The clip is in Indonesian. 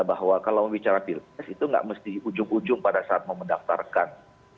bahwa kalau bicara pilpres itu tidak mesti ujung ujung pada saat memendaftarkan